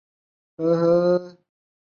朗托斯克。